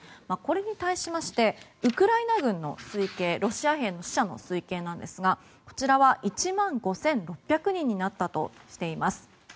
これに対してウクライナ軍のロシア兵の死者の推計なんですがこちらは１万５６００人になったとしています。